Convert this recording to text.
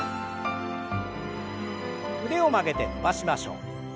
腕を曲げて伸ばしましょう。